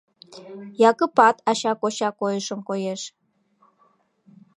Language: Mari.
Якыпат ача-коча койышым коеш.